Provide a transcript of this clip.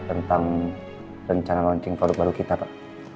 tentang rencana launching produk baru kita pak